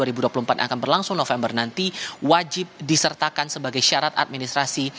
yang akan berlangsung november nanti wajib disertakan sebagai syarat administrasi